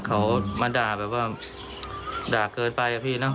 เขามาด่าแบบว่าด่าเกินไปอะพี่เนอะ